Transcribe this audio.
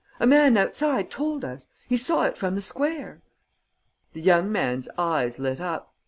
A man outside told us. He saw it from the square." The young man's eyes lit up.